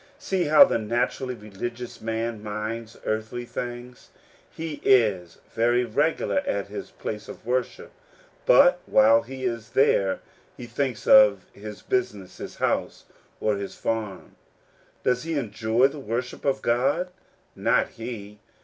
See how the naturally religious man minds earthly things. He is very regular at his place of worship ; but while he is there he thinks of his business, his house, or his farm. Does he enjoy the worship of God ? Not he